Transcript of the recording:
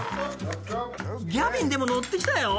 ギャビンでも乗ってきたよ。